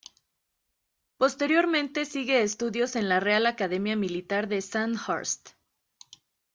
Posteriormente sigue estudios en la Real Academia Militar de Sandhurst.